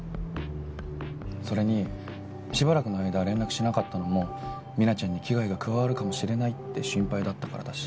それにしばらくの間連絡しなかったのもミナちゃんに危害が加わるかもしれないって心配だったからだし。